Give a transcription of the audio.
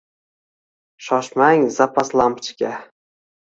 Shoshmang zapas lampochka